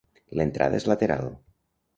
L'entrada és lateral.